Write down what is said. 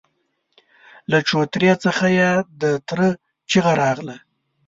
له چوترې څخه يې د تره چيغه راغله!